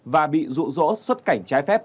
và bị rụ rỗ xuất cảnh trái phép